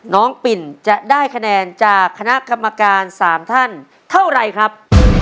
ปิ่นจะได้คะแนนจากคณะกรรมการ๓ท่านเท่าไรครับ